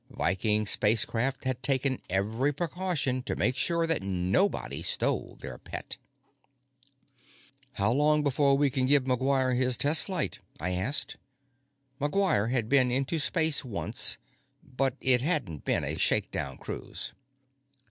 Viking Spacecraft had taken every precaution to make sure that nobody stole their pet. "How long before we can give McGuire his test flight?" I asked. McGuire had been into space once, but it hadn't been a shakedown cruise.